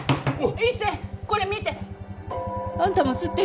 一星これ見て！あんたも写ってるよ！